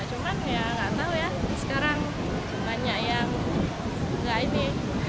cuma ya tidak tahu ya sekarang banyak yang tidak ini